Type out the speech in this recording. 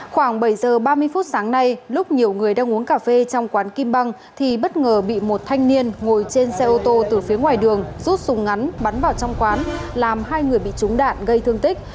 khoảng bảy giờ ba mươi phút sáng nay lúc nhiều người đang uống cà phê trong quán kim băng thì bất ngờ bị một thanh niên ngồi trên xe ô tô từ phía ngoài đường rút súng ngắn bắn vào trong quán làm hai người bị trúng đạn gây thương tích